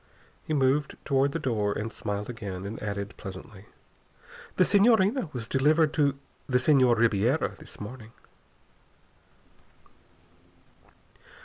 He moved toward the door, and smiled again, and added pleasantly: "The Senhorina was delivered to the Senhor Ribiera this morning."